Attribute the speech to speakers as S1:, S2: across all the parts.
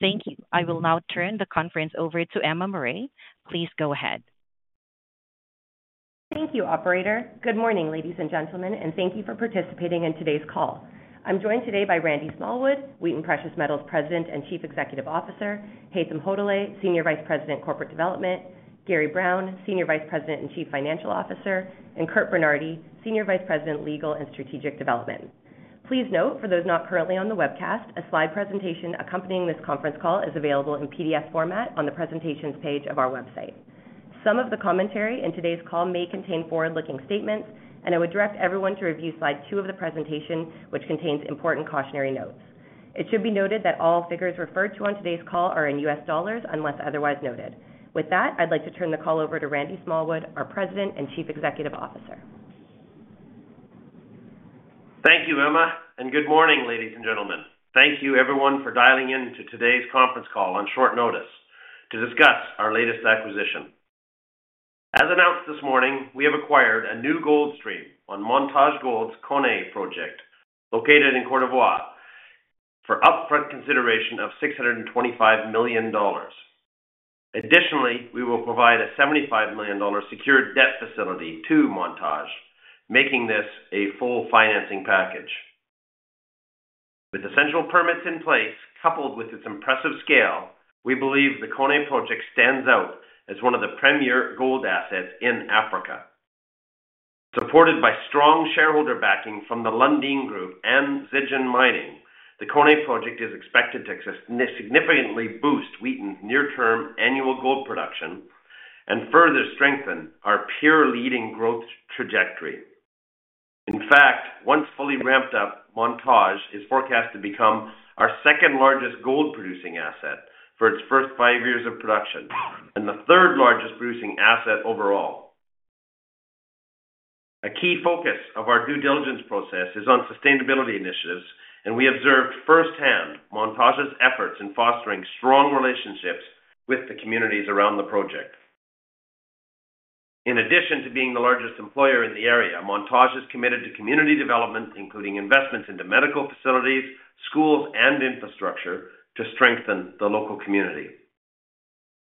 S1: Thank you. I will now turn the conference over to Emma Murray. Please go ahead.
S2: Thank you, operator. Good morning, ladies and gentlemen, and thank you for participating in today's call. I'm joined today by Randy Smallwood, Wheaton Precious Metals President and Chief Executive Officer, Haytham Hodeib, Senior Vice President, Corporate Development, Gary Brown, Senior Vice President and Chief Financial Officer, and Curt Bernardi, Senior Vice President, Legal and Strategic Development. Please note, for those not currently on the webcast, a slide presentation accompanying this conference call is available in PDF format on the presentations page of our website. Some of the commentary in today's call may contain forward-looking statements, and I would direct everyone to review slide two of the presentation, which contains important cautionary notes. It should be noted that all figures referred to on today's call are in U.S. dollars, unless otherwise noted. With that, I'd like to turn the call over to Randy Smallwood, our President and Chief Executive Officer.
S3: Thank you, Emma, and good morning, ladies and gentlemen. Thank you, everyone, for dialing in to today's conference call on short notice to discuss our latest acquisition. As announced this morning, we have acquired a new gold stream on Montage Gold's Koné Project, located in Côte d'Ivoire, for upfront consideration of $625 million. Additionally, we will provide a $75 million secured debt facility to Montage, making this a full financing package. With essential permits in place, coupled with its impressive scale, we believe the Koné Project stands out as one of the premier gold assets in Africa. Supported by strong shareholder backing from the Lundin Group and Zijin Mining, the Koné Project is expected to significantly boost Wheaton's near-term annual gold production and further strengthen our peer-leading growth trajectory. In fact, once fully ramped up, Montage is forecast to become our second-largest gold-producing asset for its first five years of production and the third-largest producing asset overall. A key focus of our due diligence process is on sustainability initiatives, and we observed firsthand Montage's efforts in fostering strong relationships with the communities around the project. In addition to being the largest employer in the area, Montage is committed to community development, including investments into medical facilities, schools, and infrastructure to strengthen the local community.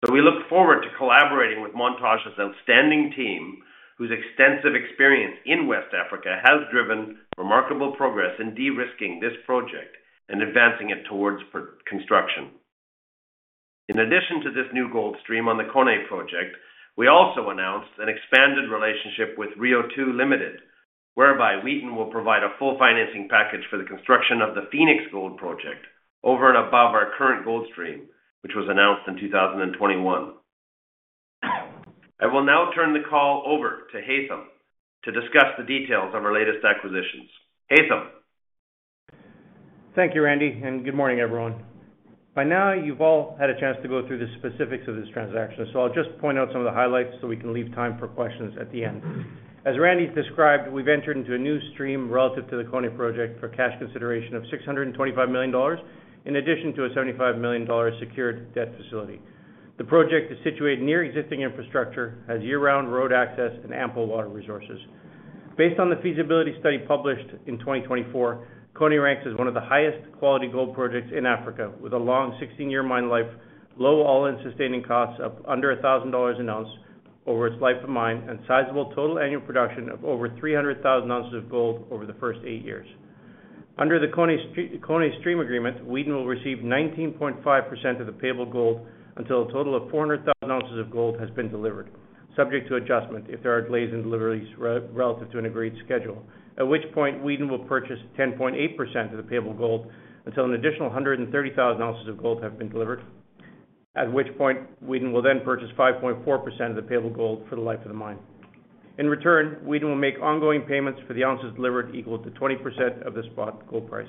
S3: So we look forward to collaborating with Montage's outstanding team, whose extensive experience in West Africa has driven remarkable progress in de-risking this project and advancing it towards production. In addition to this new gold stream on the Koné Project, we also announced an expanded relationship with Rio2 Limited, whereby Wheaton will provide a full financing package for the construction of the Fenix Gold Project over and above our current gold stream, which was announced in 2021. I will now turn the call over to Haytham to discuss the details of our latest acquisitions. Haytham?
S4: Thank you, Randy, and good morning, everyone. By now, you've all had a chance to go through the specifics of this transaction, so I'll just point out some of the highlights so we can leave time for questions at the end. As Randy described, we've entered into a new stream relative to the Koné Project for cash consideration of $625 million, in addition to a $75 million secured debt facility. The project is situated near existing infrastructure, has year-round road access and ample water resources. Based on the feasibility study published in 2024, Koné ranks as one of the highest quality gold projects in Africa, with a long 16-year mine life, low all-in sustaining costs of under $1,000 an ounce over its life of mine, and sizable total annual production of over 300,000 ounces of gold over the first 8 years. Under the Koné stream agreement, Wheaton will receive 19.5% of the payable gold until a total of 400,000 ounces of gold has been delivered, subject to adjustment if there are delays in deliveries relative to an agreed schedule, at which point Wheaton will purchase 10.8% of the payable gold until an additional 130,000 ounces of gold have been delivered, at which point Wheaton will then purchase 5.4% of the payable gold for the life of the mine. In return, Wheaton will make ongoing payments for the ounces delivered, equal to 20% of the spot gold price.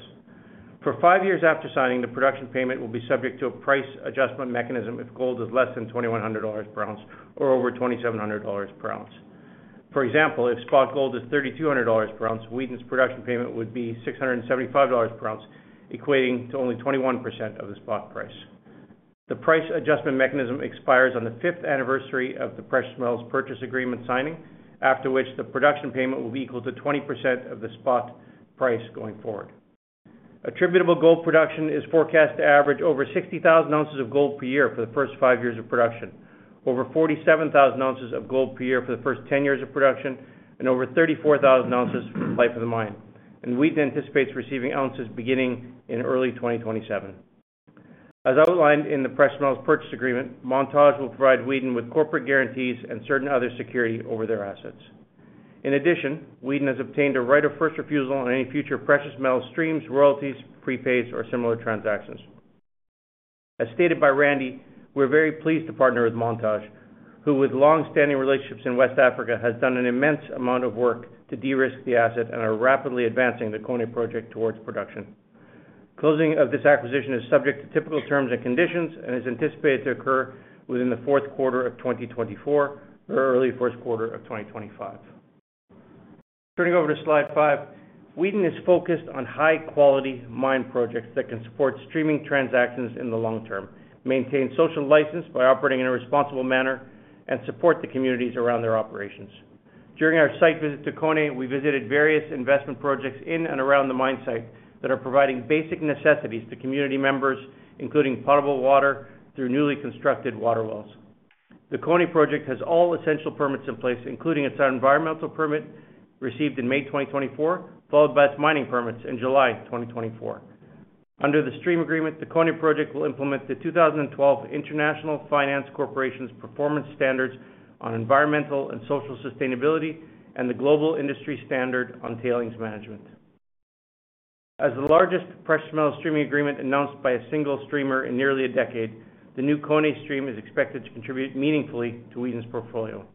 S4: For five years after signing, the production payment will be subject to a price adjustment mechanism if gold is less than $2,100 per ounce or over $2,700 per ounce. For example, if spot gold is $3,200 per ounce, Wheaton's production payment would be $675 per ounce, equating to only 21% of the spot price. The price adjustment mechanism expires on the fifth anniversary of the Precious Metals Purchase Agreement signing, after which the production payment will be equal to 20% of the spot price going forward. Attributable gold production is forecast to average over 60,000 ounces of gold per year for the first five years of production, over 47,000 ounces of gold per year for the first 10 years of production, and over 34,000 ounces for the life of the mine. And Wheaton anticipates receiving ounces beginning in early 2027. As outlined in the Precious Metals Purchase Agreement, Montage will provide Wheaton with corporate guarantees and certain other security over their assets. In addition, Wheaton has obtained a right of first refusal on any future precious metal streams, royalties, prepaids, or similar transactions. As stated by Randy, we're very pleased to partner with Montage, who, with long-standing relationships in West Africa, has done an immense amount of work to de-risk the asset and are rapidly advancing the Koné Project towards production. Closing of this acquisition is subject to typical terms and conditions and is anticipated to occur within the fourth quarter of 2024 or early first quarter of 2025. Turning over to slide five. Wheaton is focused on high-quality mine projects that can support streaming transactions in the long term, maintain social license by operating in a responsible manner, and support the communities around their operations. During our site visit to Koné, we visited various investment projects in and around the mine site that are providing basic necessities to community members, including potable water, through newly constructed water wells. The Koné Project has all essential permits in place, including its environmental permit, received in May 2024, followed by its mining permits in July 2024. Under the stream agreement, the Koné Project will implement the 2012 International Finance Corporation Performance Standards on environmental and social sustainability and the Global Industry Standard on Tailings Management. As the largest precious metal streaming agreement announced by a single streamer in nearly a decade, the new Koné stream is expected to contribute meaningfully to Wheaton's portfolio.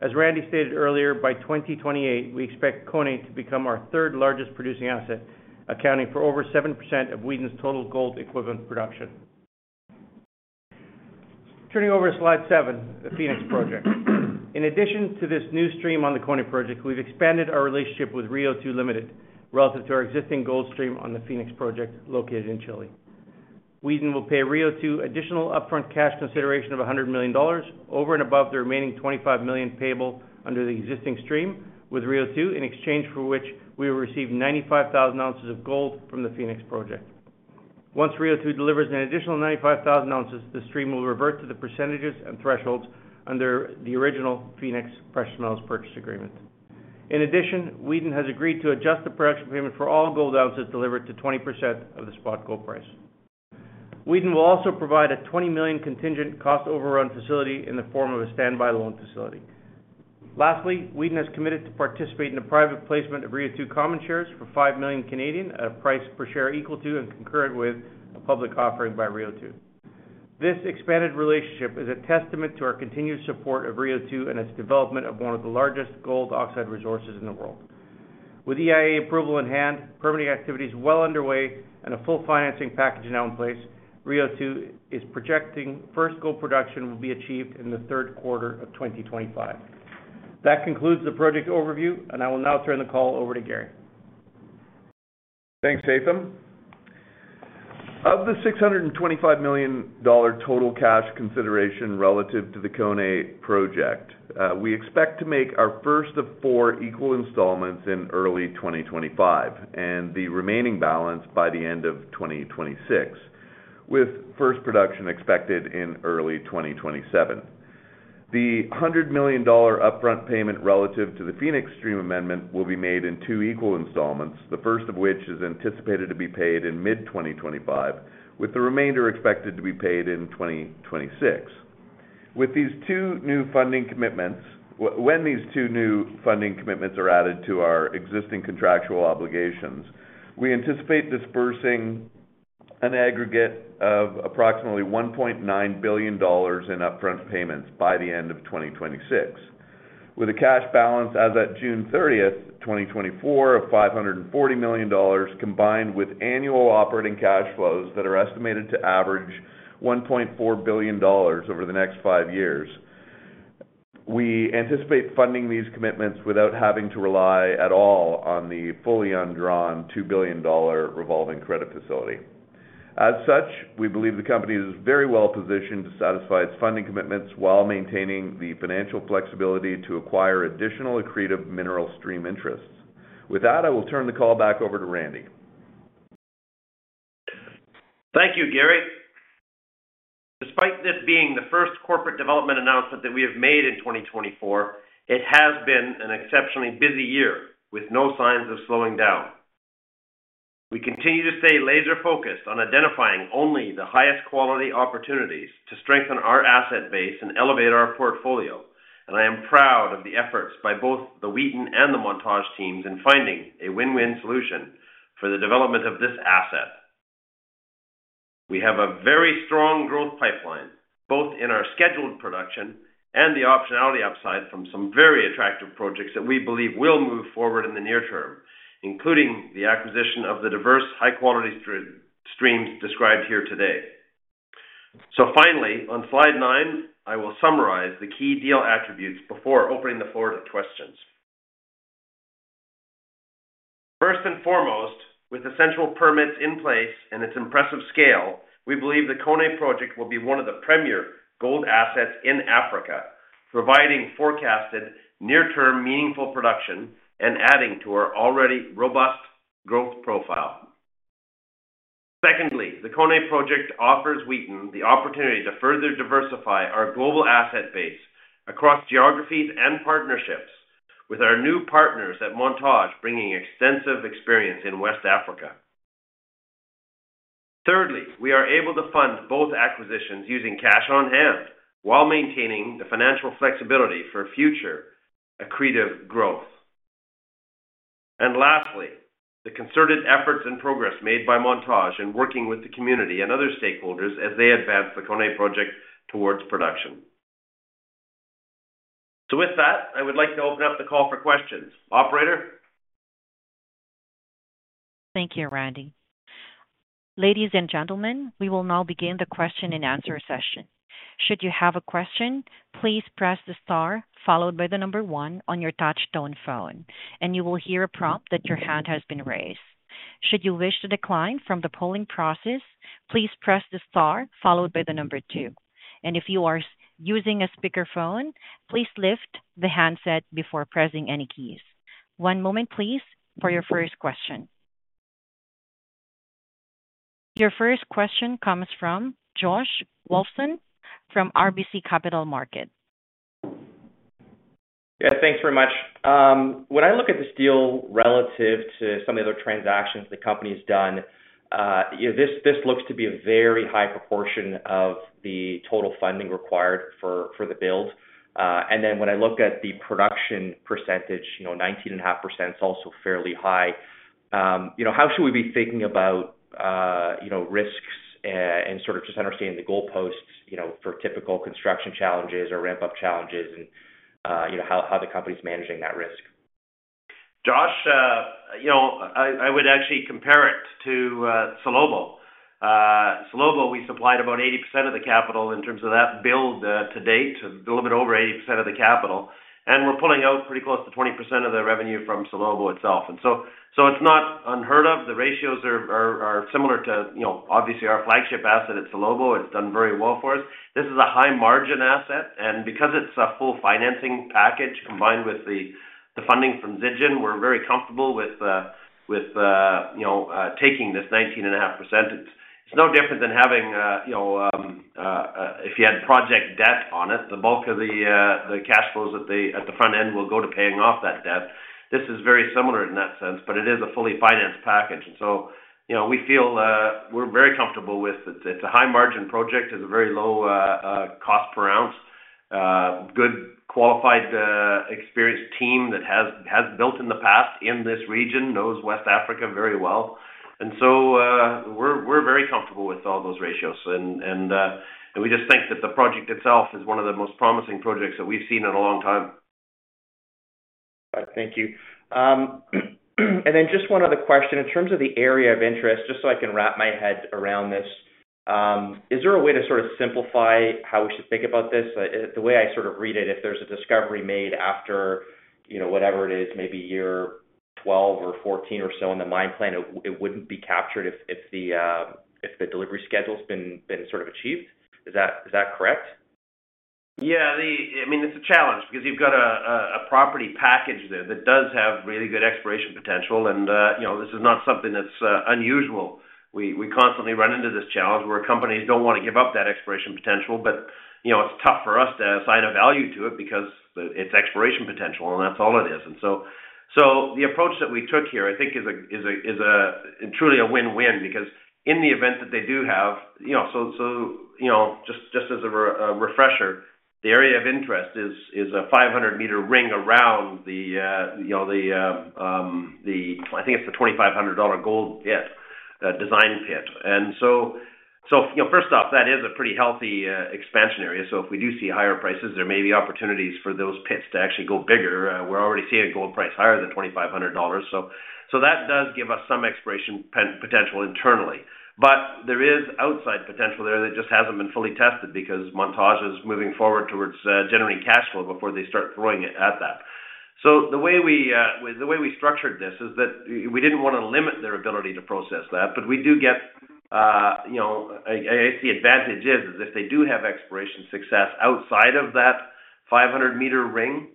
S4: As Randy stated earlier, by 2028, we expect Koné to become our third-largest producing asset, accounting for over 7% of Wheaton's total gold equivalent production. Turning over to slide 7, the Fenix Project. In addition to this new stream on the Koné Project, we've expanded our relationship with Rio2 Limited, relative to our existing gold stream on the Fenix Project located in Chile. Wheaton will pay Rio2 additional upfront cash consideration of $100 million over and above the remaining $25 million payable under the existing stream with Rio2, in exchange for which we will receive 95,000 ounces of gold from the Fenix project. Once Rio2 delivers an additional 95,000 ounces, the stream will revert to the percentages and thresholds under the original Fenix Precious Metals Purchase Agreement. In addition, Wheaton has agreed to adjust the production payment for all gold ounces delivered to 20% of the spot gold price. Wheaton will also provide a $20 million contingent cost overrun facility in the form of a standby loan facility. Lastly, Wheaton has committed to participate in a private placement of Rio2 common shares for 5 million, at a price per share equal to and concurrent with a public offering by Rio2. This expanded relationship is a testament to our continued support of Rio2 and its development of one of the largest gold oxide resources in the world. With EIA approval in hand, permitting activities well underway, and a full financing package now in place, Rio2 is projecting first gold production will be achieved in the third quarter of 2025. That concludes the project overview, and I will now turn the call over to Gary.
S5: Thanks, Haytham. Of the $625 million total cash consideration relative to the Koné Project, we expect to make our first of four equal installments in early 2025, and the remaining balance by the end of 2026, with first production expected in early 2027. The $100 million upfront payment relative to the Fenix stream amendment will be made in two equal installments, the first of which is anticipated to be paid in mid-2025, with the remainder expected to be paid in 2026. With these two new funding commitments, when these two new funding commitments are added to our existing contractual obligations, we anticipate disbursing an aggregate of approximately $1.9 billion in upfront payments by the end of 2026. With a cash balance as of June 30, 2024, of $540 million, combined with annual operating cash flows that are estimated to average $1.4 billion over the next five years, we anticipate funding these commitments without having to rely at all on the fully undrawn $2 billion revolving credit facility. As such, we believe the company is very well positioned to satisfy its funding commitments while maintaining the financial flexibility to acquire additional accretive mineral stream interests. With that, I will turn the call back over to Randy.
S3: Thank you, Gary. Despite this being the first corporate development announcement that we have made in 2024, it has been an exceptionally busy year, with no signs of slowing down. We continue to stay laser-focused on identifying only the highest quality opportunities to strengthen our asset base and elevate our portfolio, and I am proud of the efforts by both the Wheaton and the Montage teams in finding a win-win solution for the development of this asset. We have a very strong growth pipeline, both in our scheduled production and the optionality upside from some very attractive projects that we believe will move forward in the near term, including the acquisition of the diverse, high-quality streams described here today. So finally, on slide nine, I will summarize the key deal attributes before opening the floor to questions. First and foremost, with essential permits in place and its impressive scale, we believe the Koné Project will be one of the premier gold assets in Africa, providing forecasted near-term meaningful production and adding to our already robust growth profile. Secondly, the Koné Project offers Wheaton the opportunity to further diversify our global asset base across geographies and partnerships, with our new partners at Montage bringing extensive experience in West Africa. Thirdly, we are able to fund both acquisitions using cash on hand while maintaining the financial flexibility for future accretive growth. And lastly, the concerted efforts and progress made by Montage in working with the community and other stakeholders as they advance the Koné Project towards production. So with that, I would like to open up the call for questions. Operator?
S1: Thank you, Randy. Ladies and gentlemen, we will now begin the question-and-answer session. Should you have a question, please press the star followed by the number one on your touchtone phone, and you will hear a prompt that your hand has been raised.... Should you wish to decline from the polling process, please press the star followed by the number two. And if you are using a speakerphone, please lift the handset before pressing any keys. One moment, please, for your first question. Your first question comes from Josh Wolfson from RBC Capital Markets.
S6: Yeah, thanks very much. When I look at this deal relative to some of the other transactions the company's done, you know, this looks to be a very high proportion of the total funding required for the build. And then when I look at the production percentage, you know, 19.5% is also fairly high. You know, how should we be thinking about, you know, risks, and sort of just understanding the goalposts, you know, for typical construction challenges or ramp-up challenges and, you know, how the company's managing that risk?
S3: Josh, you know, I would actually compare it to Salobo. Salobo, we supplied about 80% of the capital in terms of that build to date, a little bit over 80% of the capital, and we're pulling out pretty close to 20% of the revenue from Salobo itself. So it's not unheard of. The ratios are similar to, you know, obviously, our flagship asset at Salobo. It's done very well for us. This is a high-margin asset, and because it's a full financing package, combined with the funding from Zijin, we're very comfortable with, you know, taking this 19.5%. It's no different than having, you know, if you had project debt on it, the bulk of the cash flows at the front end will go to paying off that debt. This is very similar in that sense, but it is a fully financed package, and so, you know, we feel, we're very comfortable with it. It's a high-margin project. It's a very low cost per ounce. Good, qualified, experienced team that has built in the past in this region, knows West Africa very well, and so, we're very comfortable with all those ratios, and we just think that the project itself is one of the most promising projects that we've seen in a long time.
S6: Thank you, and then just one other question. In terms of the area of interest, just so I can wrap my head around this, is there a way to sort of simplify how we should think about this? The way I sort of read it, if there's a discovery made after, you know, whatever it is, maybe year 12 or 14 or so in the mine plan, it wouldn't be captured if the delivery schedule's been sort of achieved. Is that correct?
S3: Yeah, I mean, it's a challenge because you've got a property package there that does have really good exploration potential, and you know, this is not something that's unusual. We constantly run into this challenge where companies don't want to give up that exploration potential, but you know, it's tough for us to assign a value to it because it's exploration potential, and that's all it is. So the approach that we took here, I think, is truly a win-win, because in the event that they do have, you know, just as a refresher, the area of interest is a 500-meter ring around the, I think it's the $2,500 gold pit design pit. You know, first off, that is a pretty healthy expansion area. If we do see higher prices, there may be opportunities for those pits to actually go bigger. We're already seeing a gold price higher than $2,500. That does give us some exploration potential internally, but there is outside potential there that just hasn't been fully tested because Montage is moving forward towards generating cash flow before they start throwing it at that. The way we structured this is that we didn't want to limit their ability to process that, but we do get, you know... The advantage is if they do have exploration success outside of that 500-meter ring,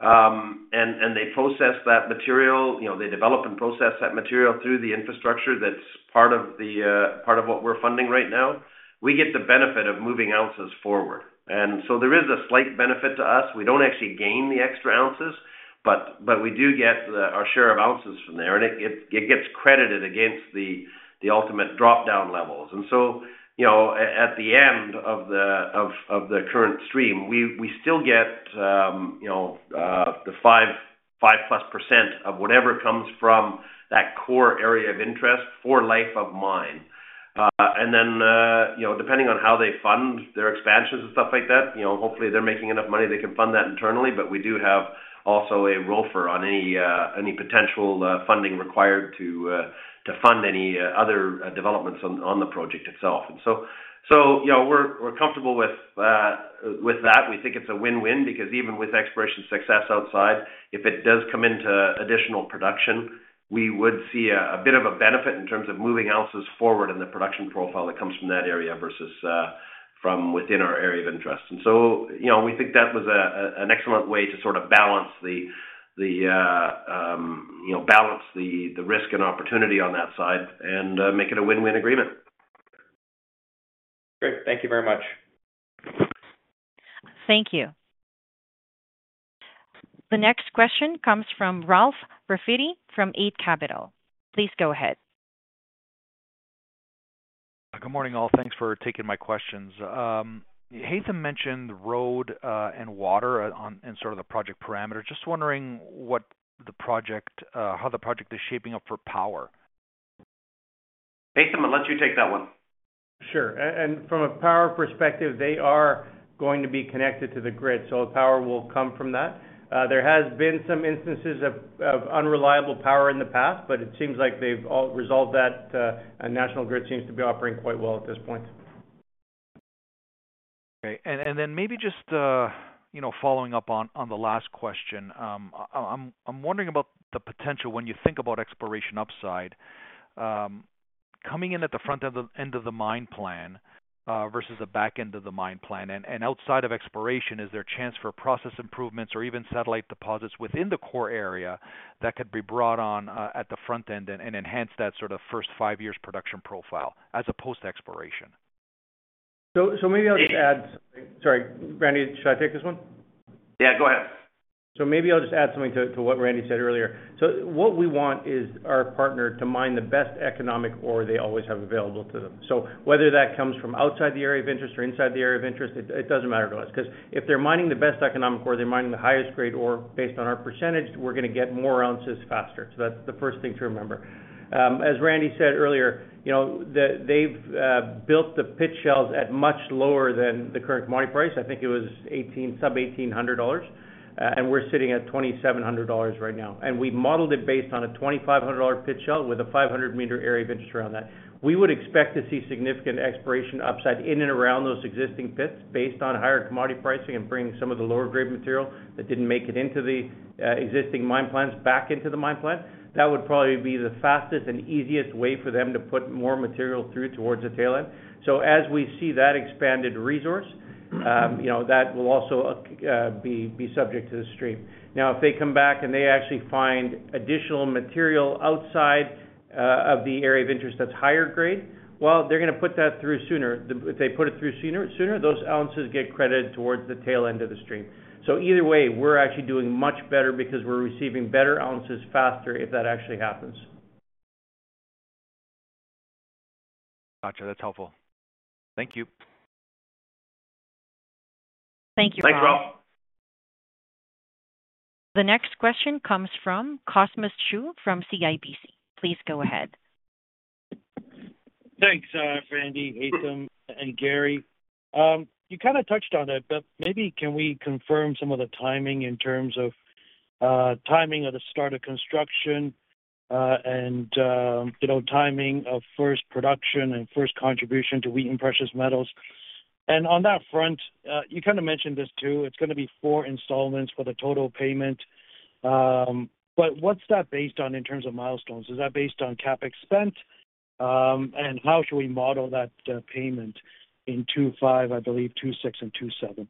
S3: and they process that material, you know, they develop and process that material through the infrastructure, that's part of what we're funding right now, we get the benefit of moving ounces forward. So there is a slight benefit to us. We don't actually gain the extra ounces, but we do get our share of ounces from there, and it gets credited against the ultimate drop-down levels. So, you know, at the end of the current stream, we still get you know, the 5-plus% of whatever comes from that core area of interest for life of mine. And then, you know, depending on how they fund their expansions and stuff like that, you know, hopefully they're making enough money, they can fund that internally, but we do have also a right of first refusal on any potential funding required to fund any other developments on the project itself. So, you know, we're comfortable with that. We think it's a win-win because even with exploration success outside, if it does come into additional production, we would see a bit of a benefit in terms of moving ounces forward in the production profile that comes from that area versus from within our area of interest. You know, we think that was an excellent way to sort of balance the risk and opportunity on that side and make it a win-win agreement.
S6: Great. Thank you very much.
S1: Thank you. The next question comes from Ralph Profiti from Eight Capital. Please go ahead.
S7: Good morning, all. Thanks for taking my questions. Haytham mentioned road, and water, on, and sort of the project parameters. Just wondering what the project, how the project is shaping up for power?
S3: Haytham, I'll let you take that one.
S4: Sure. And from a power perspective, they are going to be connected to the grid, so power will come from that. There has been some instances of unreliable power in the past, but it seems like they've all resolved that, and national grid seems to be operating quite well at this point.
S7: Okay, and then maybe just, you know, following up on the last question, I'm wondering about the potential when you think about exploration upside, coming in at the front of the end of the mine plan versus the back end of the mine plan, and outside of exploration, is there a chance for process improvements or even satellite deposits within the core area that could be brought on at the front end and enhance that sort of first five years production profile as opposed to exploration?
S4: So, maybe I'll just add... Sorry, Randy, should I take this one?
S3: Yeah, go ahead.
S4: So maybe I'll just add something to, to what Randy said earlier. So what we want is our partner to mine the best economic ore they always have available to them. So whether that comes from outside the area of interest or inside the area of interest, it, it doesn't matter to us, 'cause if they're mining the best economic ore, they're mining the highest grade ore based on our percentage, we're gonna get more ounces faster. So that's the first thing to remember. As Randy said earlier, you know, they've built the pit shells at much lower than the current commodity price. I think it was sub-$1,800, and we're sitting at $2,700 right now, and we've modeled it based on a $2,500-dollar pit shell with a 500-meter area of interest around that. We would expect to see significant exploration upside in and around those existing pits based on higher commodity pricing and bringing some of the lower grade material that didn't make it into the existing mine plans back into the mine plan. That would probably be the fastest and easiest way for them to put more material through towards the tail end. So as we see that expanded resource, you know, that will also be subject to the stream. Now, if they come back and they actually find additional material outside of the area of interest that's higher grade, well, they're gonna put that through sooner. If they put it through sooner, those ounces get credited towards the tail end of the stream. So either way, we're actually doing much better because we're receiving better ounces faster if that actually happens.
S7: Gotcha. That's helpful. Thank you.
S1: Thank you, Rob.
S3: Thanks, Rob.
S1: The next question comes from Cosmos Chiu from CIBC. Please go ahead.
S8: Thanks, Randy, Haytham and Gary. You kind of touched on it, but maybe can we confirm some of the timing in terms of, timing of the start of construction, and, you know, timing of first production and first contribution to Wheaton Precious Metals? And on that front, you kind of mentioned this too, it's gonna be four installments for the total payment, but what's that based on in terms of milestones? Is that based on CapEx spent? And how should we model that, payment in 2025, I believe, 2026 and 2027?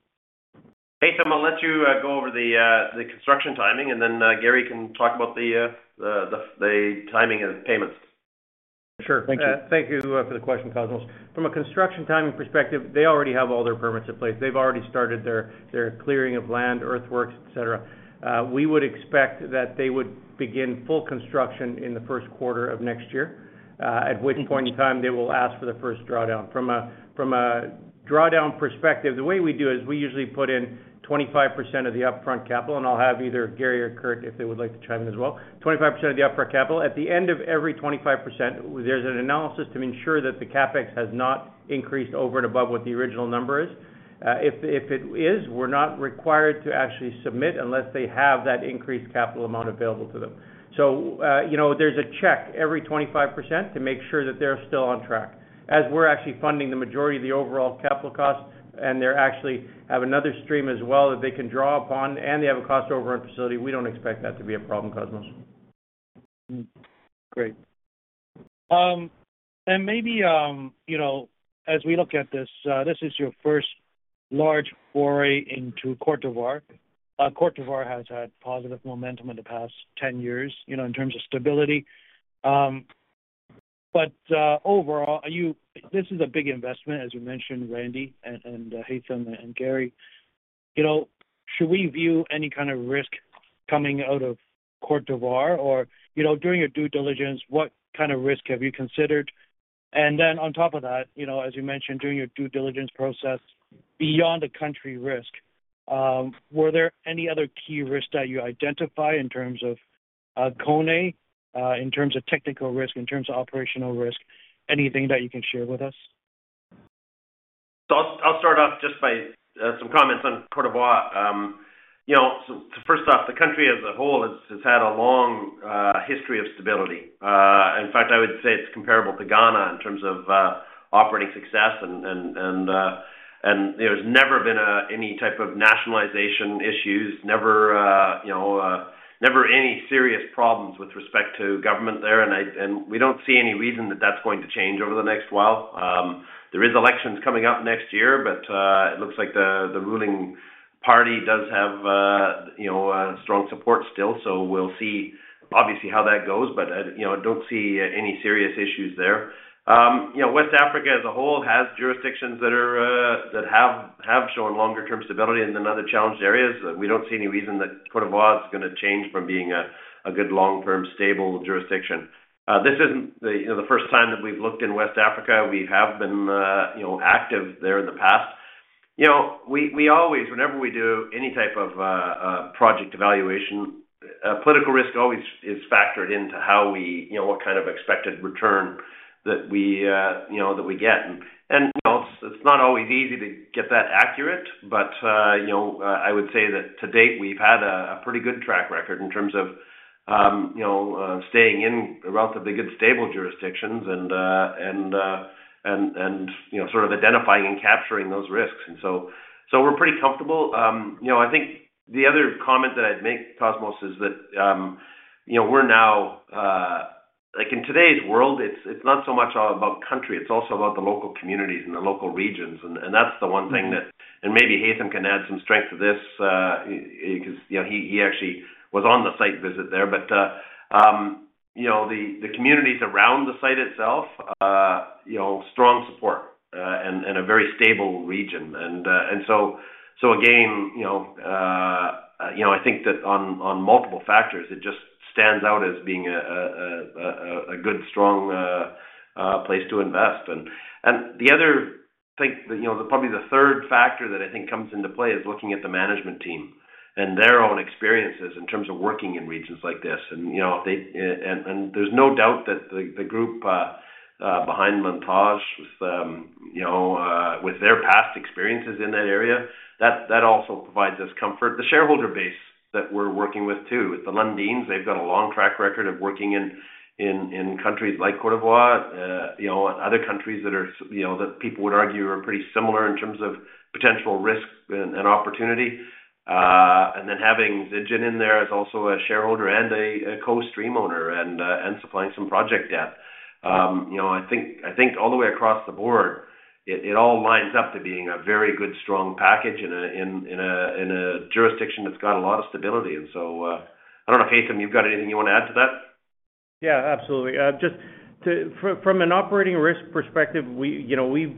S3: Haytham, I'll let you go over the construction timing, and then Gary can talk about the timing of the payments.
S4: Sure.
S8: Thank you.
S4: Thank you for the question, Cosmos. From a construction timing perspective, they already have all their permits in place. They've already started their clearing of land, earthworks, et cetera. We would expect that they would begin full construction in the first quarter of next year, at which point in time they will ask for the first drawdown. From a drawdown perspective, the way we do it is we usually put in 25% of the upfront capital, and I'll have either Gary or Curt, if they would like to chime in as well, 25% of the upfront capital. At the end of every 25%, there's an analysis to ensure that the CapEx has not increased over and above what the original number is. If it is, we're not required to actually submit unless they have that increased capital amount available to them. So, you know, there's a check every 25% to make sure that they're still on track. As we're actually funding the majority of the overall capital costs, and they actually have another stream as well that they can draw upon, and they have a cost overrun facility, we don't expect that to be a problem, Cosmos.
S8: Great. And maybe, you know, as we look at this, this is your first large foray into Côte d'Ivoire. Côte d'Ivoire has had positive momentum in the past 10 years, you know, in terms of stability. But overall, are you? This is a big investment, as you mentioned, Randy and Haytham and Gary. You know, should we view any kind of risk coming out of Côte d'Ivoire? Or, you know, during your due diligence, what kind of risk have you considered? And then on top of that, you know, as you mentioned, during your due diligence process, beyond the country risk, were there any other key risks that you identify in terms of Koné, in terms of technical risk, in terms of operational risk? Anything that you can share with us?
S3: So I'll start off just by some comments on Côte d'Ivoire. You know, first off, the country as a whole has had a long history of stability. In fact, I would say it's comparable to Ghana in terms of operating success and there's never been any type of nationalization issues, never you know never any serious problems with respect to government there. And we don't see any reason that that's going to change over the next while. There is elections coming up next year, but it looks like the ruling party does have you know strong support still, so we'll see obviously how that goes. But you know, I don't see any serious issues there. You know, West Africa as a whole has jurisdictions that have shown longer term stability than in other challenged areas. We don't see any reason that Côte d'Ivoire is gonna change from being a good long-term, stable jurisdiction. This isn't, you know, the first time that we've looked in West Africa. We have been, you know, active there in the past. You know, we always, whenever we do any type of project evaluation, political risk always is factored into how we, you know, what kind of expected return that we, you know, that we get. And, you know, it's not always easy to get that accurate, but, you know, I would say that to date, we've had a pretty good track record in terms of... You know, staying in relatively good, stable jurisdictions, and you know, sort of identifying and capturing those risks. So we're pretty comfortable. You know, I think the other comment that I'd make, Cosmos, is that you know, we're now... Like, in today's world, it's not so much all about country, it's also about the local communities and the local regions. That's the one thing that... Maybe Haytham can add some strength to this, because you know, he actually was on the site visit there. You know, the communities around the site itself, you know, strong support and a very stable region. Again, you know, you know, I think that on multiple factors, it just stands out as being a good, strong place to invest. The other thing that, you know, probably the third factor that I think comes into play is looking at the management team and their own experiences in terms of working in regions like this. You know, there's no doubt that the group behind Montage with, you know, with their past experiences in that area, that also provides us comfort. The shareholder base that we're working with, too. The Lundins, they've got a long track record of working in countries like Côte d'Ivoire, you know, and other countries that are, you know, that people would argue are pretty similar in terms of potential risk and opportunity. And then having Zijin in there as also a shareholder and a co-stream owner and supplying some project debt. You know, I think all the way across the board, it all lines up to being a very good, strong package in a jurisdiction that's got a lot of stability. And so, I don't know, Haytham, you've got anything you want to add to that?
S4: Yeah, absolutely. From an operating risk perspective, we, you know, we've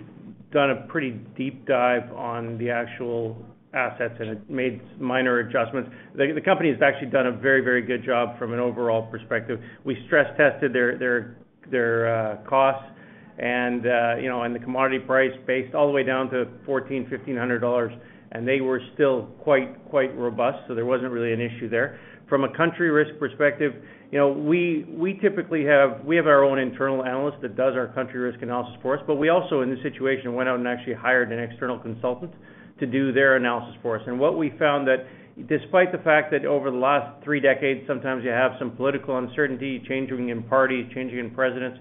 S4: done a pretty deep dive on the actual assets and have made minor adjustments. The company has actually done a very good job from an overall perspective. We stress tested their costs and, you know, and the commodity price based all the way down to $1,400-$1,500, and they were still quite robust, so there wasn't really an issue there. From a country risk perspective, you know, we typically have our own internal analyst that does our country risk analysis for us, but we also, in this situation, went out and actually hired an external consultant to do their analysis for us. What we found that, despite the fact that over the last three decades, sometimes you have some political uncertainty, changing in parties, changing in presidents,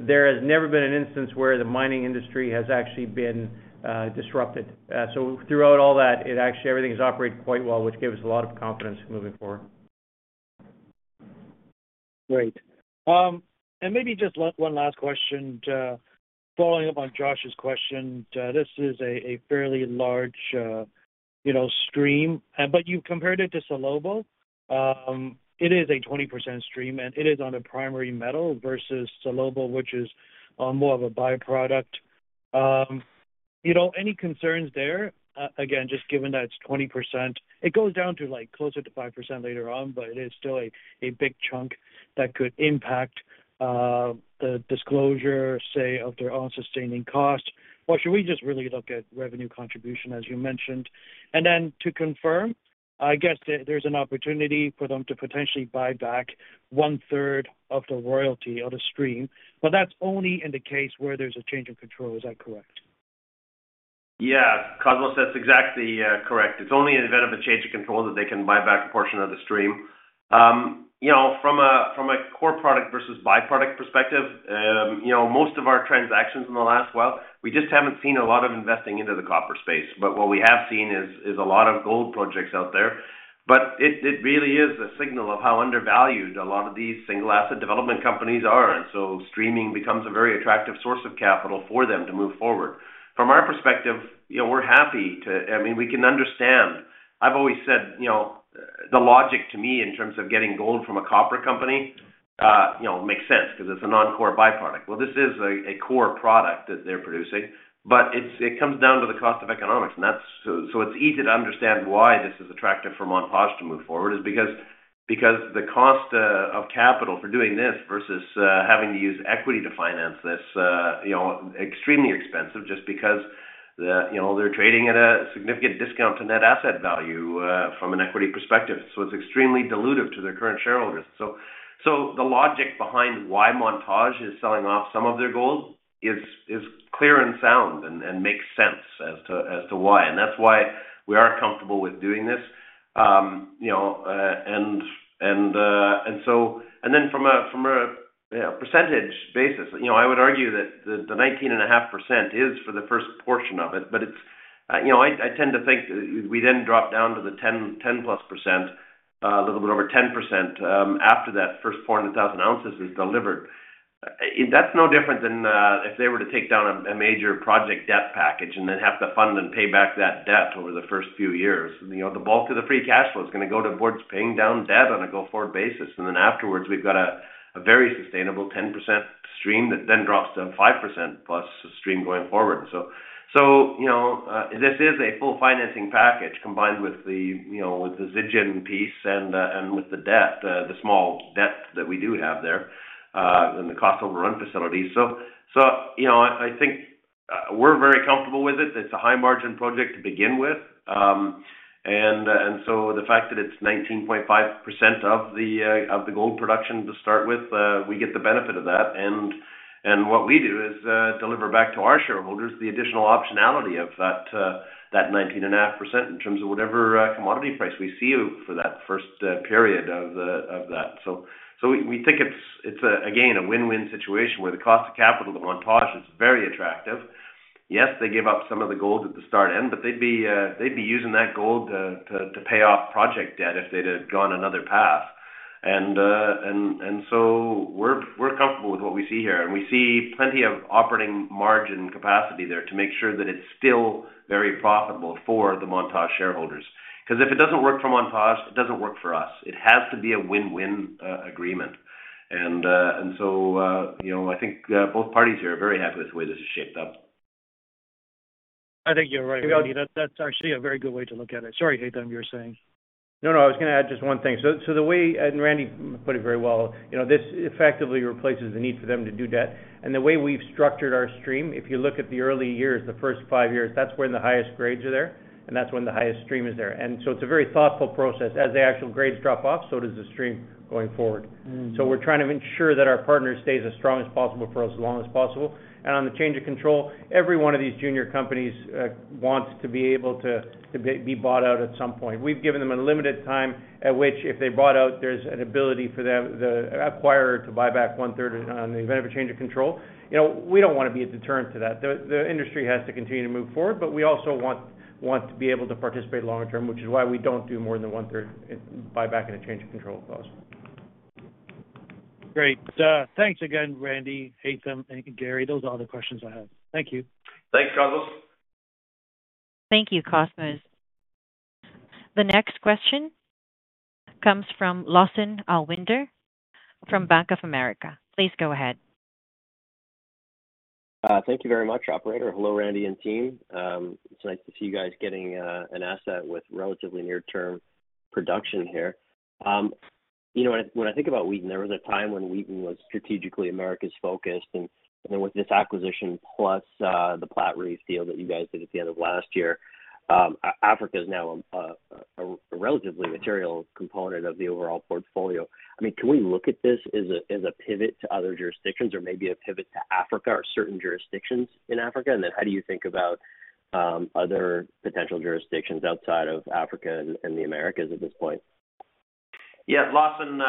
S4: there has never been an instance where the mining industry has actually been disrupted. So throughout all that, it actually, everything has operated quite well, which gave us a lot of confidence moving forward.
S8: Great. And maybe just one last question, following up on Josh's question. This is a fairly large, you know, stream, but you compared it to Salobo. It is a 20% stream, and it is on a primary metal versus Salobo, which is more of a byproduct. You know, any concerns there? Again, just given that it's 20%, it goes down to, like, closer to 5% later on, but it is still a big chunk that could impact the disclosure, say, of their own sustaining costs. Or should we just really look at revenue contribution, as you mentioned? And then to confirm, I guess there's an opportunity for them to potentially buyback one third of the royalty of the stream, but that's only in the case where there's a change in control. Is that correct?
S3: Yeah, Cosmos, that's exactly correct. It's only in event of a change of control that they can buyback a portion of the stream. You know, from a core product versus byproduct perspective, you know, most of our transactions in the last while, we just haven't seen a lot of investing into the copper space. But what we have seen is a lot of gold projects out there. But it really is a signal of how undervalued a lot of these single asset development companies are, and so streaming becomes a very attractive source of capital for them to move forward. From our perspective, you know, we're happy to... I mean, we can understand. I've always said, you know, the logic to me in terms of getting gold from a copper company, you know, makes sense because it's a non-core byproduct. This is a core product that they're producing, but it comes down to the cost of economics, and that's. So it's easy to understand why this is attractive for Montage to move forward is because the cost of capital for doing this versus having to use equity to finance this, you know, extremely expensive, just because the, you know, they're trading at a significant discount to net asset value from an equity perspective. So it's extremely dilutive to their current shareholders. So the logic behind why Montage is selling off some of their gold is clear and sound and makes sense as to why. And that's why we are comfortable with doing this. You know, and so. And then from a percentage basis, you know, I would argue that the 19.5% is for the first portion of it, but it's, you know, I tend to think we then drop down to the 10, 10+%, a little bit over 10%, after that first 400,000 ounces is delivered. That's no different than if they were to take down a major project debt package and then have to fund and pay back that debt over the first few years. You know, the bulk of the free cash flow is going to go towards paying down debt on a go-forward basis. And then afterwards, we've got a very sustainable 10% stream that then drops to 5% plus stream going forward. So, you know, this is a full financing package combined with the, you know, with the Zijin piece and, and with the debt, the small debt that we do have there, and the cost overrun facility. You know, I think we're very comfortable with it. It's a high-margin project to begin with. And so the fact that it's 19.5% of the gold production to start with, we get the benefit of that. And what we do is deliver back to our shareholders the additional optionality of that 19.5% in terms of whatever commodity price we see for that first period of that. We think it's again a win-win situation where the cost of capital to Montage is very attractive. Yes, they give up some of the gold at the start end, but they'd be using that gold to pay off project debt if they'd have gone another path. We're comfortable with what we see here, and we see plenty of operating margin capacity there to make sure that it's still very profitable for the Montage shareholders. Because if it doesn't work for Montage, it doesn't work for us. It has to be a win-win agreement. You know, I think both parties here are very happy with the way this is shaped up.
S8: I think you're right, Randy. That's actually a very good way to look at it. Sorry, Haytham, you were saying?
S4: No, no, I was gonna add just one thing. So, so the way, and Randy put it very well, you know, this effectively replaces the need for them to do debt. And the way we've structured our stream, if you look at the early years, the first five years, that's when the highest grades are there, and that's when the highest stream is there. And so it's a very thoughtful process. As the actual grades drop off, so does the stream going forward. So we're trying to ensure that our partner stays as strong as possible for as long as possible. And on the change of control, every one of these junior companies wants to be able to be bought out at some point. We've given them a limited time at which if they're bought out, there's an ability for them, the acquirer, to buyback one-third on the event of a change of control. You know, we don't wanna be a deterrent to that. The industry has to continue to move forward, but we also want to be able to participate long term, which is why we don't do more than one-third buyback in a change of control clause.
S8: Great. Thanks again, Randy, Haytham, and Gary. Those are all the questions I have. Thank you.
S3: Thanks, Cosmos.
S1: Thank you, Cosmos. The next question comes from Lawson Winder from Bank of America. Please go ahead.
S9: Thank you very much, operator. Hello, Randy and team. It's nice to see you guys getting an asset with relatively near-term production here. You know, when I think about Wheaton, there was a time when Wheaton was strategically Americas focused, and with this acquisition, plus the Platreef deal that you guys did at the end of last year, Africa is now a relatively material component of the overall portfolio. I mean, can we look at this as a pivot to other jurisdictions or maybe a pivot to Africa or certain jurisdictions in Africa? And then, how do you think about other potential jurisdictions outside of Africa and the Americas at this point?
S3: Yeah, Lawson,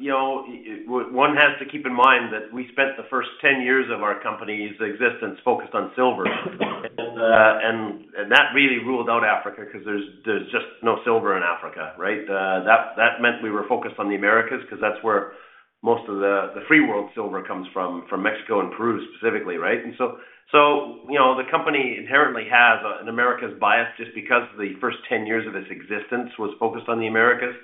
S3: you know, one has to keep in mind that we spent the first ten years of our company's existence focused on silver. And that really ruled out Africa because there's just no silver in Africa, right? That meant we were focused on the Americas, 'cause that's where most of the free world silver comes from, from Mexico and Peru specifically, right? And so, you know, the company inherently has an Americas bias just because the first ten years of its existence was focused on the Americas.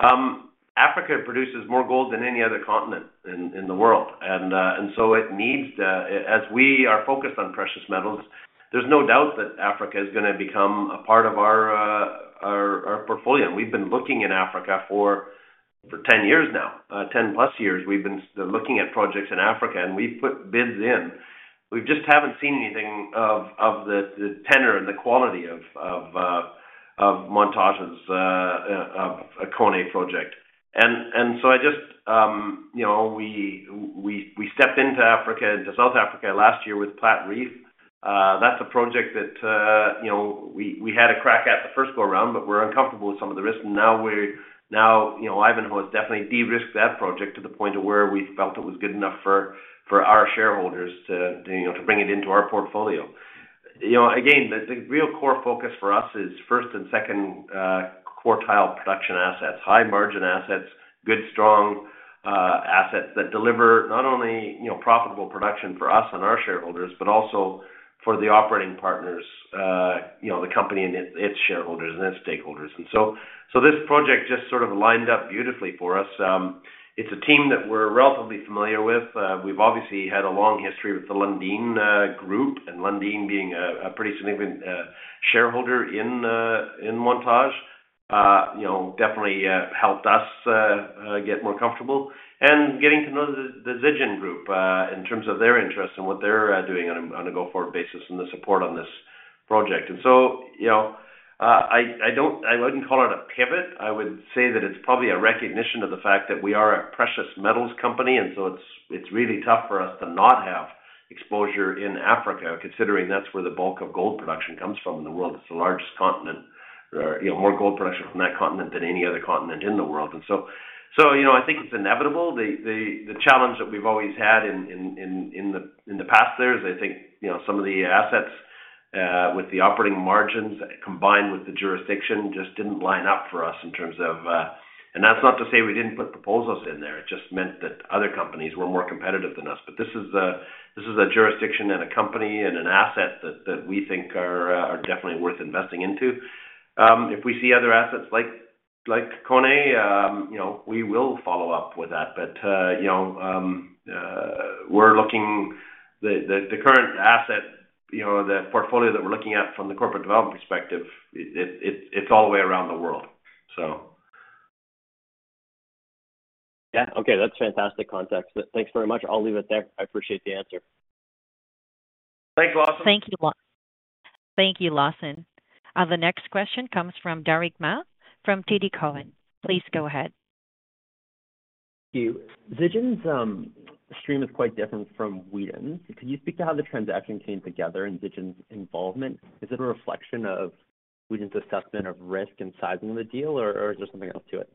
S3: Africa produces more gold than any other continent in the world. As we are focused on precious metals, there's no doubt that Africa is gonna become a part of our portfolio. We've been looking in Africa for ten years now. Ten plus years, we've been looking at projects in Africa, and we've put bids in. We just haven't seen anything of the tenor and the quality of Montage's Koné Project. So I just, you know, we stepped into Africa, into South Africa last year with Platreef. That's a project that, you know, we had a crack at the first go around, but we were uncomfortable with some of the risks. Now, you know, Ivanhoe has definitely de-risked that project to the point where we felt it was good enough for our shareholders to, you know, to bring it into our portfolio. You know, again, the real core focus for us is first and second quartile production assets, high margin assets, good, strong assets that deliver not only, you know, profitable production for us and our shareholders, but also for the operating partners, you know, the company and its shareholders and its stakeholders. And so this project just sort of lined up beautifully for us. It's a team that we're relatively familiar with. We've obviously had a long history with the Lundin Group, and Lundin being a pretty significant shareholder in Montage, you know, definitely helped us get more comfortable. And getting to know the Zijin group in terms of their interest and what they're doing on a go-forward basis and the support on this project. And so, you know, I don't. I wouldn't call it a pivot. I would say that it's probably a recognition of the fact that we are a precious metals company, and so it's really tough for us to not have exposure in Africa, considering that's where the bulk of gold production comes from in the world. It's the largest continent. You know, more gold production from that continent than any other continent in the world. And so, you know, I think it's inevitable. The challenge that we've always had in the past is, I think, you know, some of the assets with the operating margins, combined with the jurisdiction, just didn't line up for us in terms of. And that's not to say we didn't put proposals in there. It just meant that other companies were more competitive than us. But this is a jurisdiction and a company and an asset that we think are definitely worth investing into. If we see other assets like Koné, you know, we will follow up with that. But you know, we're looking. The current asset, you know, the portfolio that we're looking at from the corporate development perspective, it's all the way around the world, so.
S9: Yeah. Okay. That's fantastic context. Thanks very much. I'll leave it there. I appreciate the answer.
S3: Thanks, Lawson.
S1: Thank you, Lawson. The next question comes from Derek Ma from TD Cowen. Please go ahead.
S10: Thank you. Zijin's stream is quite different from Wheaton. Could you speak to how the transaction came together and Zijin's involvement? Is it a reflection of Wheaton's assessment of risk and sizing of the deal, or, or is there something else to it?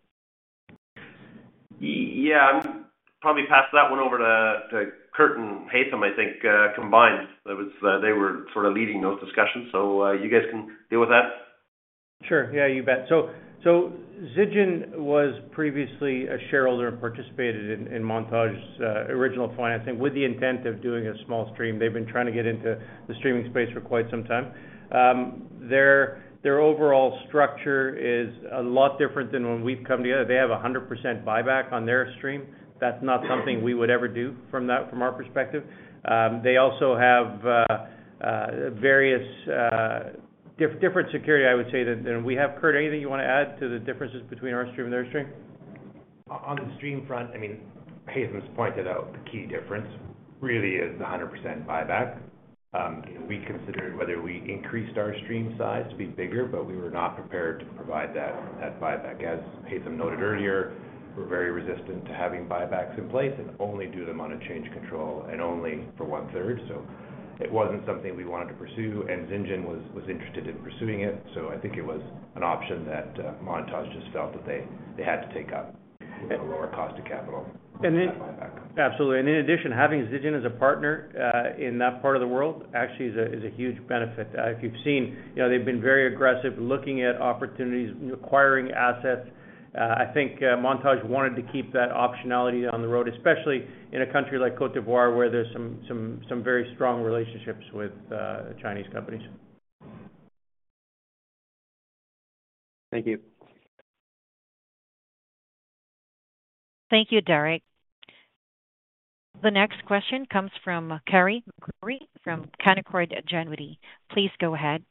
S3: Yeah, I'm probably pass that one over to Curt and Haytham, I think, combined. It was, they were sort of leading those discussions, so, you guys can deal with that.
S4: Sure. Yeah, you bet. So Zijin was previously a shareholder and participated in Montage's original financing with the intent of doing a small stream. They've been trying to get into the streaming space for quite some time. Their overall structure is a lot different than when we've come together. They have a 100% buyback on their stream. That's not something we would ever do from our perspective. They also have various different security, I would say, than we have. Curt, anything you want to add to the differences between our stream and their stream?
S11: On the stream front, I mean, Haytham's pointed out, the key difference really is the 100% buyback. We considered whether we increased our stream size to be bigger, but we were not prepared to provide that buyback. As Haytham noted earlier, we're very resistant to having buybacks in place and only do them on a change of control and only for one third. So it wasn't something we wanted to pursue, and Zijin was interested in pursuing it. So I think it was an option that Montage just felt that they had to take up at a lower cost of capital.
S4: And the buyback. Absolutely, and in addition, having Zijin as a partner in that part of the world actually is a huge benefit. If you've seen, you know, they've been very aggressive, looking at opportunities and acquiring assets. I think Montage wanted to keep that optionality on the road, especially in a country like Côte d'Ivoire, where there's some very strong relationships with Chinese companies.
S10: Thank you.
S1: Thank you, Derek. The next question comes from Carey MacRury from Canaccord Genuity. Please go ahead.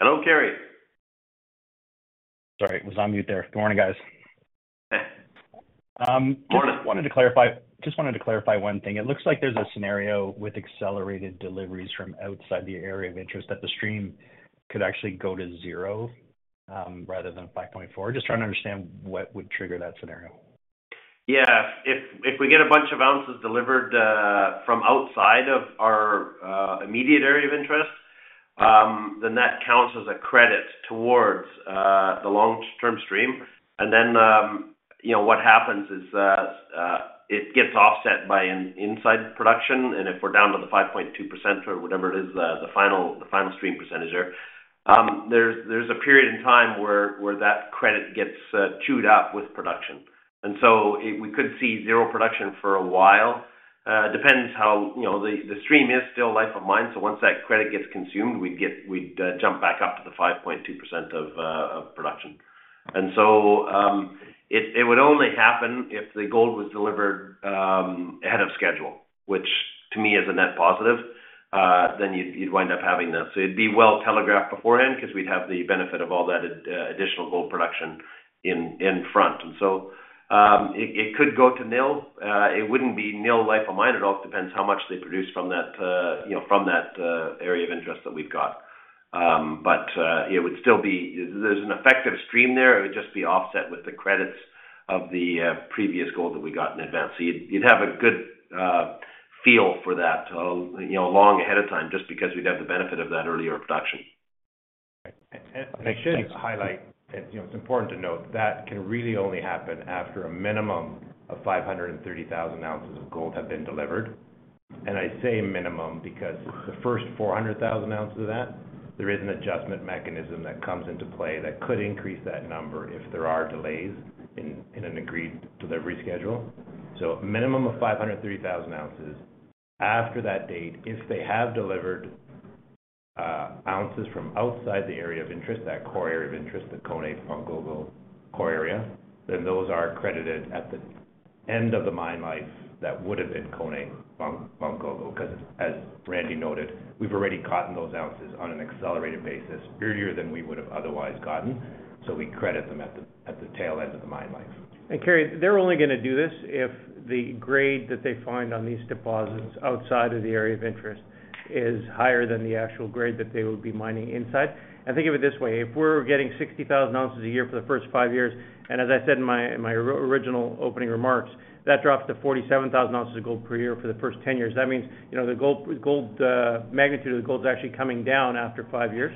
S3: Hello, Kerry.
S12: Sorry, I was on mute there. Good morning, guys.
S3: Hey. Morning.
S12: Just wanted to clarify one thing. It looks like there's a scenario with accelerated deliveries from outside the area of interest, that the stream could actually go to zero, rather than 5.4. Just trying to understand what would trigger that scenario.
S3: Yeah. If, if we get a bunch of ounces delivered from outside of our immediate area of interest, then that counts as a credit towards the long-term stream. And then, you know, what happens is, it gets offset by an inside production, and if we're down to the 5.2% or whatever it is, the final stream percentage there, there's a period in time where that credit gets chewed up with production. And so we could see zero production for a while. It depends how... You know, the stream is still life of mine, so once that credit gets consumed, we'd jump back up to the 5.2% of production. And so, it would only happen if the gold was delivered ahead of schedule, which to me is a net positive. Then you'd wind up having this. It'd be well telegraphed beforehand because we'd have the benefit of all that additional gold production in front. And so, it could go to nil. It wouldn't be nil life of mine. It all depends how much they produce from that, you know, area of interest that we've got. But it would still be... There's an effective stream there. It would just be offset with the credits of the previous gold that we got in advance. So you'd have a good feel for that, you know, long ahead of time, just because we'd have the benefit of that earlier production.
S11: I should highlight, you know, it's important to note that can really only happen after a minimum of 530,000 ounces of gold have been delivered. I say minimum, because the first 400,000 ounces of that, there is an adjustment mechanism that comes into play that could increase that number if there are delays in an agreed delivery schedule. Minimum of 530,000 ounces. After that date, if they have delivered ounces from outside the area of interest, that core area of interest, the Koné-Gbongogo core area, then those are credited at the end of the mine life that would have been Koné-Gbongogo, because, as Randy noted, we've already gotten those ounces on an accelerated basis, earlier than we would have otherwise gotten, so we credit them at the tail end of the mine life.
S4: Kerry, they're only gonna do this if the grade that they find on these deposits outside of the area of interest is higher than the actual grade that they would be mining inside. Think of it this way, if we're getting 60,000 ounces a year for the first five years, and as I said in my original opening remarks, that drops to 47,000 ounces of gold per year for the first 10 years. That means, you know, the gold magnitude of the gold is actually coming down after five years.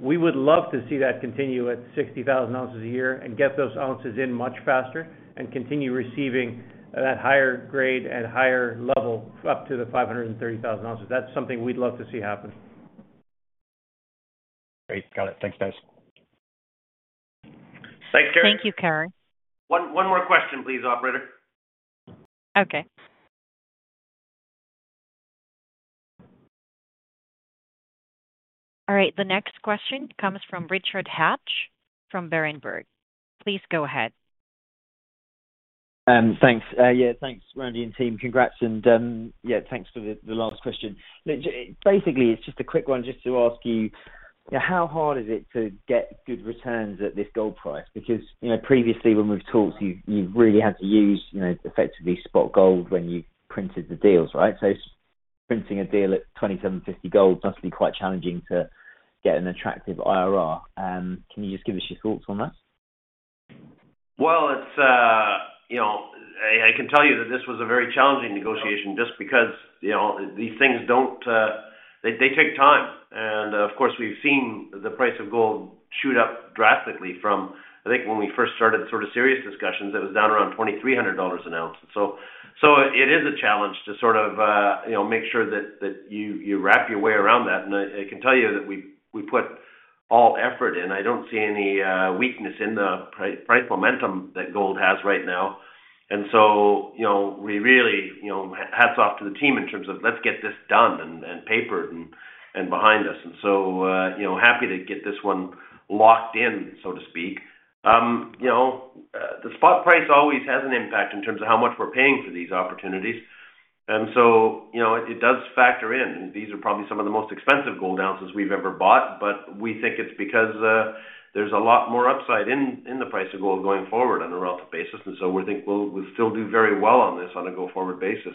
S4: We would love to see that continue at 60,000 ounces a year and get those ounces in much faster and continue receiving that higher grade at a higher level up to the 530,000 ounces. That's something we'd love to see happen.
S12: Great. Got it. Thanks, guys.
S3: Thanks, Kerry.
S1: Thank you, Kerry.
S3: One, one more question, please, operator.
S1: Okay. All right, the next question comes from Richard Hatch from Berenberg. Please go ahead.
S13: Thanks. Yeah, thanks, Randy and team. Congrats, and yeah, thanks for the last question. Look, basically, it's just a quick one, just to ask you- Yeah, how hard is it to get good returns at this gold price? Because, you know, previously, when we've talked, you, you've really had to use, you know, effectively spot gold when you printed the deals, right? So printing a deal at $2,750 gold must be quite challenging to get an attractive IRR. Can you just give us your thoughts on that?
S3: It's you know, I can tell you that this was a very challenging negotiation just because, you know, these things don't. They take time. And of course, we've seen the price of gold shoot up drastically from, I think, when we first started sort of serious discussions, it was down around $2,300 an ounce. So it is a challenge to sort of, you know, make sure that you wrap your way around that. And I can tell you that we put all effort in. I don't see any weakness in the price momentum that gold has right now. And so, you know, we really, you know, hats off to the team in terms of let's get this done and papered and behind us. And so, you know, happy to get this one locked in, so to speak. You know, the spot price always has an impact in terms of how much we're paying for these opportunities. And so, you know, it does factor in. These are probably some of the most expensive gold ounces we've ever bought, but we think it's because there's a lot more upside in the price of gold going forward on a relative basis. And so we think we'll still do very well on this on a go-forward basis.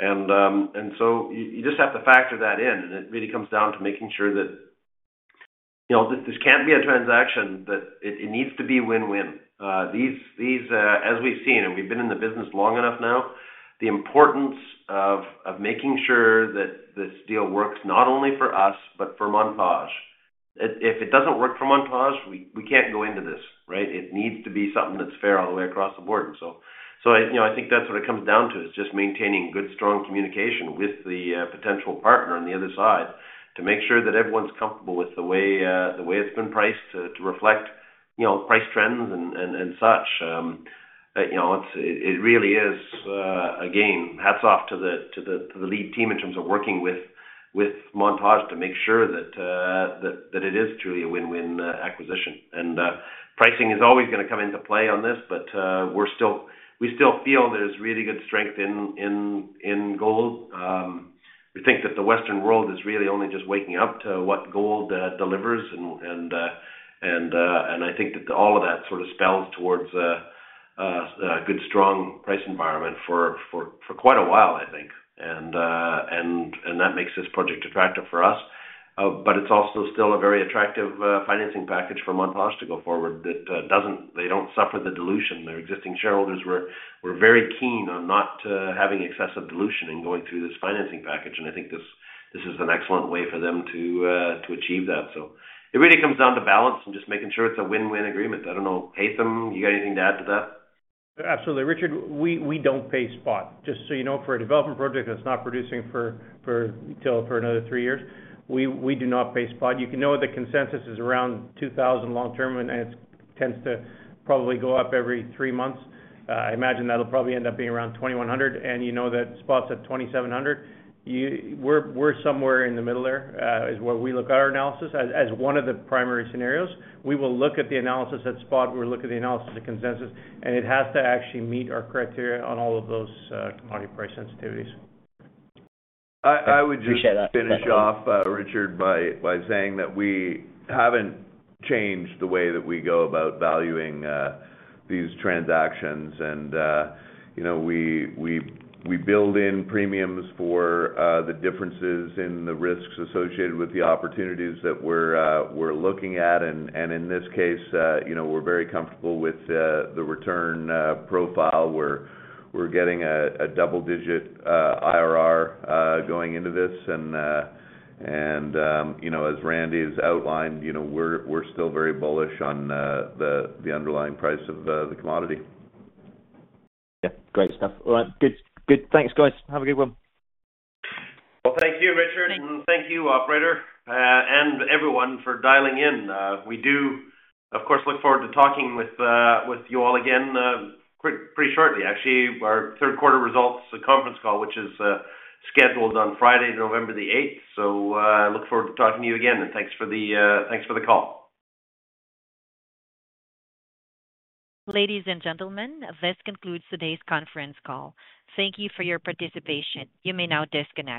S3: And so you just have to factor that in, and it really comes down to making sure that, you know, this can't be a transaction, that it needs to be win-win. As we've seen, and we've been in the business long enough now, the importance of making sure that this deal works not only for us, but for Montage. If it doesn't work for Montage, we can't go into this, right? It needs to be something that's fair all the way across the board. And you know, I think that's what it comes down to, is just maintaining good, strong communication with the potential partner on the other side, to make sure that everyone's comfortable with the way it's been priced to reflect, you know, price trends and such. But you know, it really is a game. Hats off to the lead team in terms of working with Montage to make sure that it is truly a win-win acquisition. Pricing is always gonna come into play on this, but we're still we still feel there's really good strength in gold. We think that the Western world is really only just waking up to what gold delivers. And I think that all of that sort of spells towards a good, strong price environment for quite a while, I think. And that makes this project attractive for us. But it's also still a very attractive financing package for Montage to go forward that doesn't. They don't suffer the dilution. Their existing shareholders were very keen on not having excessive dilution in going through this financing package, and I think this is an excellent way for them to achieve that. So it really comes down to balance and just making sure it's a win-win agreement. I don't know, Haytham, you got anything to add to that?
S4: Absolutely, Richard. We don't pay spot. Just so you know, for a development project that's not producing for another three years, we do not pay spot. You know the consensus is around $2,000 long term, and it tends to probably go up every three months. I imagine that'll probably end up being around $2,100, and you know that spot's at $2,700. We're somewhere in the middle there, is where we look at our analysis as one of the primary scenarios. We will look at the analysis at spot, we'll look at the analysis of consensus, and it has to actually meet our criteria on all of those commodity price sensitivities.
S5: I would just-
S13: Appreciate that
S5: finish off, Richard, by saying that we haven't changed the way that we go about valuing these transactions. And, you know, we build in premiums for the differences in the risks associated with the opportunities that we're looking at. And in this case, you know, we're very comfortable with the return profile, where we're getting a double digit IRR going into this. And, you know, as Randy's outlined, you know, we're still very bullish on the underlying price of the commodity.
S13: Yeah. Great stuff. All right, good. Good. Thanks, guys. Have a good one.
S3: Well, thank you, Richard, and thank you, operator, and everyone for dialing in. We do, of course, look forward to talking with you all again quite pretty shortly. Actually, our third quarter results conference call, which is scheduled on Friday, November the eighth. So, look forward to talking to you again, and thanks for the call.
S1: Ladies and gentlemen, this concludes today's conference call. Thank you for your participation. You may now disconnect.